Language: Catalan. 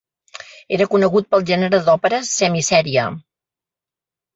Era conegut pel gènere d'òpera semiseria.